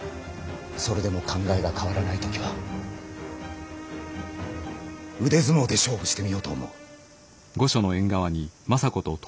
それでも考えが変わらない時は腕相撲で勝負してみようと思う。